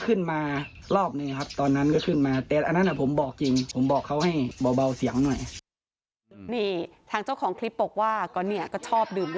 อุ้ยไปถ่ายพระเทศกินเหล้าเสียงดังเนี่ยเหรอ